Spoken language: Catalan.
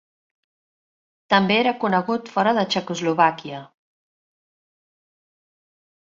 També era conegut fora de Txecoslovàquia.